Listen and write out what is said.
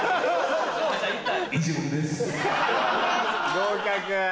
合格。